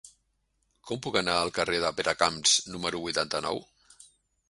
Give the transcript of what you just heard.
Com puc anar al carrer de Peracamps número vuitanta-nou?